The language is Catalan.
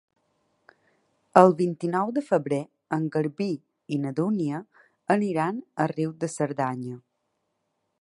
El vint-i-nou de febrer en Garbí i na Dúnia aniran a Riu de Cerdanya.